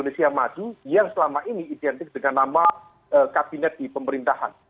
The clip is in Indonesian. jadi ini adalah bagian dari pilihan indonesia maju yang selama ini identik dengan nama kabinet di pemerintahan